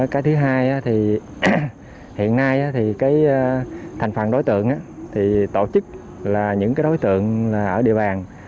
cái thứ hai thì hiện nay thành phần đối tượng tổ chức là những đối tượng ở địa bàn